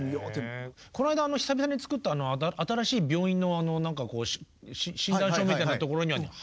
この間久々に作った新しい病院の何かこう診断書みたいなところには俳優って書きましたね。